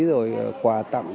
rồi quà tặng